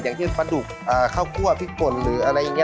อย่างเช่นปลาดุกข้าวคั่วพริกป่นหรืออะไรอย่างนี้